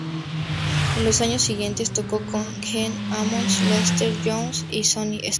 En los años siguientes, tocó con Gene Ammons, Lester Young y Sonny Stitt.